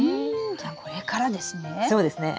じゃあこれからですね？